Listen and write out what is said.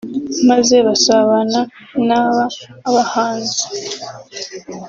maze basabana n’aba bahanzi